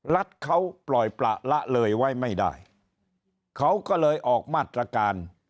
รัฐเขาปล่อยประละเลยไว้ไม่ได้เขาก็เลยออกมาตรการ